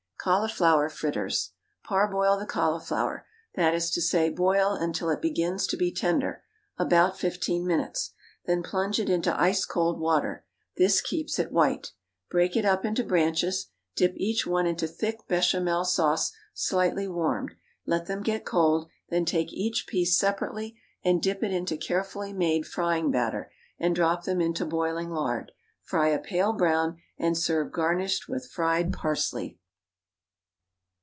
Cauliflower Fritters. Parboil the cauliflower that is to say, boil until it begins to be tender about fifteen minutes; then plunge it into ice cold water; this keeps it white. Break it up into branches. Dip each one into thick béchamel sauce slightly warmed; let them get cold; then take each piece separately and dip it into carefully made frying batter, and drop them into boiling lard; fry a pale brown, and serve garnished with fried parsley.